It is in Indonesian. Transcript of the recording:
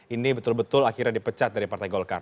ini betul betul akhirnya dipecat dari partai golkar